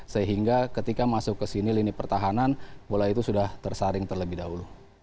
sehingga ketika masuk ke sini lini pertahanan bola itu sudah tersaring terlebih dahulu